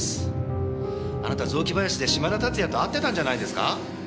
あなた雑木林で嶋田龍哉と会ってたんじゃないですか？